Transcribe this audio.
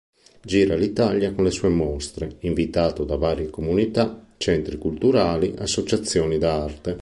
Gira l'Italia con le sue mostre, invitato da varie comunità, centri culturali, associazioni d'arte.